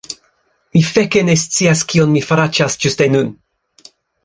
Mi feke ne scias kion mi faraĉas ĝuste nun!